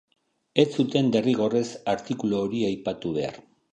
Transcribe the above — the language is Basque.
Ez zuten derrigorrez artikulu hori aipatu behar.